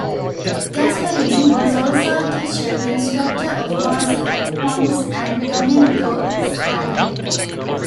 Gasparini was also a teacher, the instructor of Marcello, Quantz and Domenico Scarlatti.